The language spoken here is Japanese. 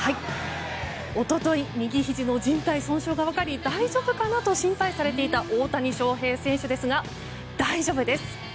一昨日右ひじのじん帯損傷が分かり大丈夫かなと心配されていた大谷翔平選手ですが大丈夫です。